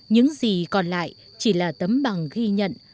những gì còn lại chỉ là tấm bằng ghi nhận